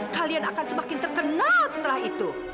kalian akan semakin terkenal setelah itu